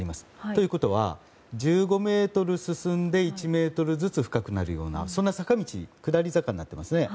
ということは１５ｍ進んで１ｍずつ深くなるようなそんな坂道下り坂になっていますね。